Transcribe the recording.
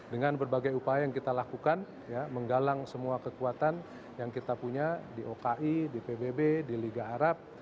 dengan berbagai upaya yang kita lakukan menggalang semua kekuatan yang kita punya di oki di pbb di liga arab